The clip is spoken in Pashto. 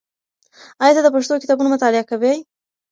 آیا ته د پښتو کتابونو مطالعه کوې؟